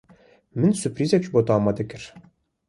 Min surprîzek ji bo te amade kir.